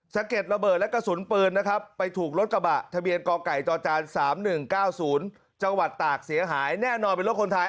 เก็ดระเบิดและกระสุนปืนนะครับไปถูกรถกระบะทะเบียนกไก่จจ๓๑๙๐จังหวัดตากเสียหายแน่นอนเป็นรถคนไทย